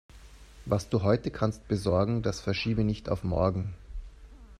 Was du heute kannst besorgen, das verschiebe nicht auf morgen.